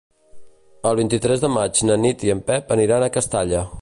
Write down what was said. El vint-i-tres de maig na Nit i en Pep aniran a Castalla.